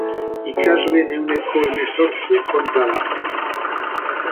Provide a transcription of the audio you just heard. Ikasleen ehuneko hemezortzi kontra dago.